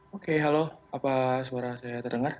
oke halo apa suara saya terdengar